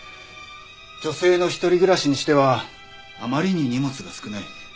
女性の一人暮らしにしてはあまりに荷物が少ない。